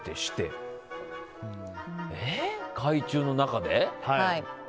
海中の中で？